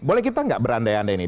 boleh kita nggak berandai andai ini